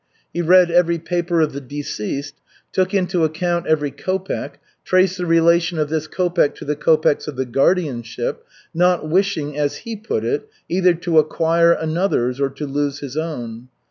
He read every paper of the deceased, took into account every kopek, traced the relation of this kopek to the kopeks of the guardianship, not wishing, as he put it, either to acquire another's, or to lose his own.